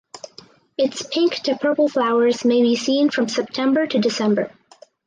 Its pink to purple flowers may be seen from September to December.